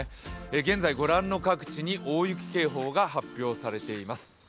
現在、ご覧の各地に大雪警報が発表されています。